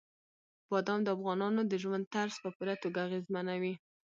بادام د افغانانو د ژوند طرز په پوره توګه اغېزمنوي.